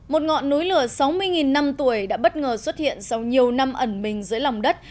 một ngọn núi lửa sáu mươi năm tuổi đã bất ngờ xuất hiện sau nhiều năm ẩn mình dưới lòng đất